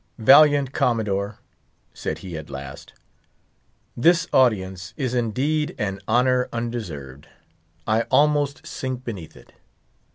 "Valiant Commodore," said he, at last, "this audience is indeed an honour undeserved. I almost sink beneath it.